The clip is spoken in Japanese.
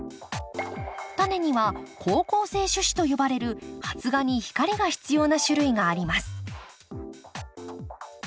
タネには好光性種子と呼ばれる発芽に光が必要な種類があります